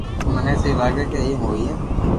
مني سھي لاگي ڪي ايم ھوئي